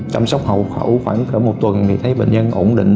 chăm sóc hậu khẩu khoảng một tuần thì thấy bệnh nhân ổn định